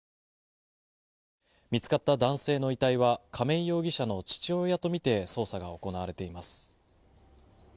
見つかった男性の遺体は亀井容疑者の父親とみて捜査が行われています。